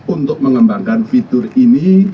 untuk mengembangkan fitur ini